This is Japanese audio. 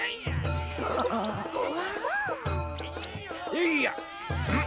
「えいや」ん？